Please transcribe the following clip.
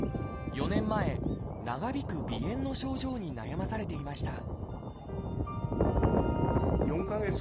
４年前長引く鼻炎の症状に悩まされていました